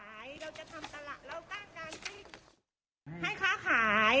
เราจะทำตลาดเราสร้างการให้ค้าขาย